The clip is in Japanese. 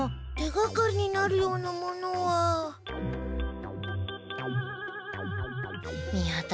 手かがりになるようなものは。